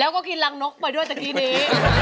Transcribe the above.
แล้วก็กินรังนกไปด้วยตะกี้นี้